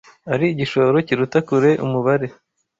ari igishoro kiruta kure umubare